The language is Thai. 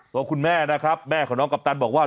ตัวคุณแม่นะครับแม่ของน้องกัปตันบอกว่า